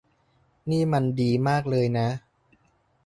นี่มันดีมากเลยนะ